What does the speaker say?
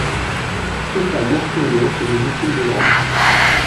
Stéphane Mercurio fait des études de droit.